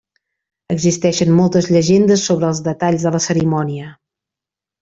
Existeixen moltes llegendes sobre els detalls de la cerimònia.